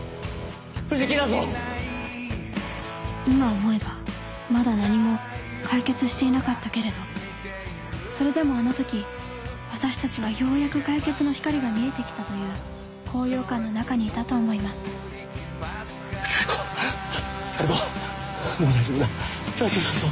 今思えばまだ何も解決していなかったけれどそれでもあの時私たちはようやく解決の光が見えて来たという高揚感の中にいたと思います妙子妙子